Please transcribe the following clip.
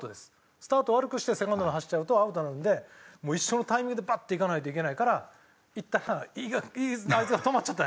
スタート悪くしてセカンドが走っちゃうとアウトなんで一緒のタイミングでバッて行かないといけないから行ったらあいつが止まっちゃったんや。